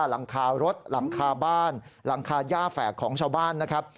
หลังคารถหลังคาบ้านหลังคาย่าแฝกของชาวบ้านนะครับ